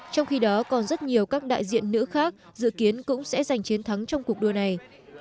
trong khi đó còn rất nhiều các đại diện nữ khác dự kiến cũng sẽ giành chiến thắng trong cuộc đua này